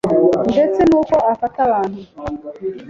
ndetse nuko afata abantu.